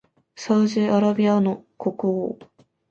サウジアラビアの国王